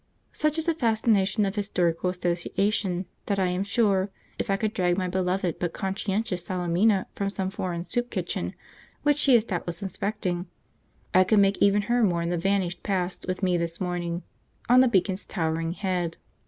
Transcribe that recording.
Such is the fascination of historic association that I am sure, if I could drag my beloved but conscientious Salemina from some foreign soup kitchen which she is doubtless inspecting, I could make even her mourn the vanished past with me this morning, on the Beacon's towering head.